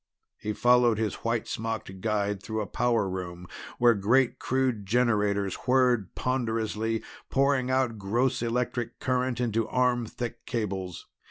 He followed his white smocked guide through a power room where great crude generators whirred ponderously, pouring out gross electric current into arm thick cables.